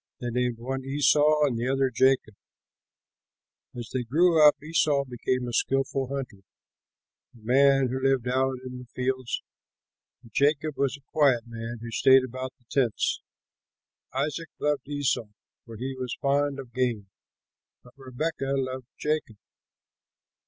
They named one Esau and the other Jacob. As they grew up, Esau became a skilful hunter, a man who lived out in the fields; but Jacob was a quiet man who stayed about the tents. Isaac loved Esau, for he was fond of game; but Rebekah loved Jacob.